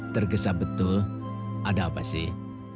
tergesa betul ada apa sih